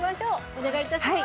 お願い致します。